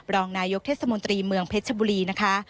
รองนายกเทศมนตรีเมืองเพชรชบุรีนะคะ